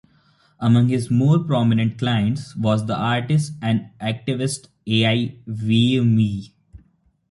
Among his more prominent clients was the artist and activist Ai Weiwei.